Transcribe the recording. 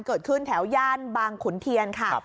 เกิดขึ้นแถวย่านบางขุนเทียนค่ะ